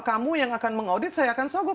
kamu yang akan mengaudit saya akan sogok